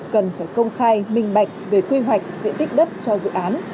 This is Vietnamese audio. cần phải công khai minh bạch về quy hoạch diện tích đất cho dự án